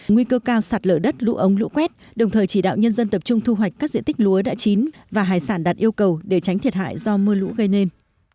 nguy cơ cao sạt lở đất lũ ống lũ quét đồng thời chỉ đạo nhân dân tập trung thu hoạch các diện tích lúa đã chín và hải sản đạt yêu cầu để tránh thiệt hại do mưa lũ gây nên